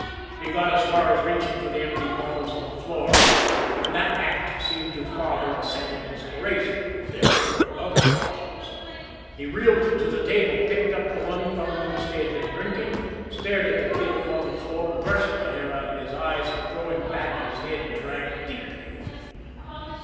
He got as far as reaching for the empty bottles on the floor, and that act seemed to father a second inspiration there were other bottles. He reeled to the table, picked up the one from which they had been drinking, stared at the Kid upon the floor, brushed the hair out of his eyes, and, throwing back his head, drank deeply.